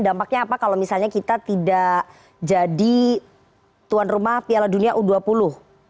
dampaknya apa kalau misalnya kita tidak jadi tuan rumah piala dunia u dua puluh